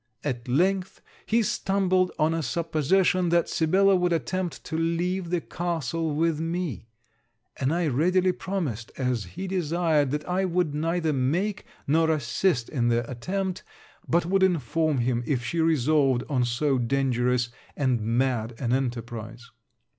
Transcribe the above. At length, he stumbled on a supposition, that Sibella would attempt to leave the Castle with me; and I readily promised, as he desired, that I would neither make, nor assist in the attempt, but would inform him if she resolved on so dangerous and mad an enterprise.